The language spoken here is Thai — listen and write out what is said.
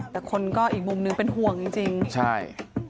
แต่คนก็อีกมุมนึงเป็นห่วงจริงจริงใช่